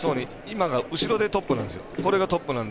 今が後ろでトップなんですよ。